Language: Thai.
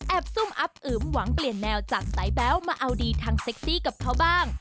ซุ่มอับอึมหวังเปลี่ยนแนวจากสายแบ๊วมาเอาดีทางเซ็กซี่กับเขาบ้าง